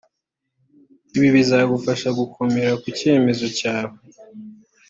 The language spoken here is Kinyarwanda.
ibi bizagufasha gukomera ku cyemezo cyawe